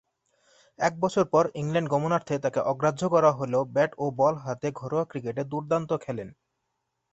এক বছর পর ইংল্যান্ড গমনার্থে তাকে অগ্রাহ্য করা হলেও ব্যাট ও বল হাতে ঘরোয়া ক্রিকেটে দূর্দান্ত খেলেন।